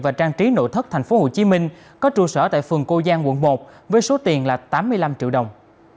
và trang trí nội thất tp hcm có trụ sở tại phường cô giang quận một với số tiền là tám mươi năm triệu đồng